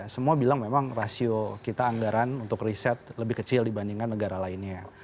semua bilang memang rasio kita anggaran untuk riset lebih kecil dibandingkan negara lainnya